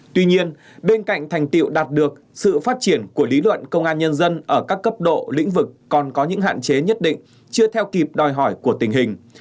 tuy nhiên bên cạnh thành tiệu đạt được sự phát triển của lý luận công an nhân dân ở các cấp độ lĩnh vực còn có những hạn chế nhất định chưa theo kịp đòi hỏi của tình hình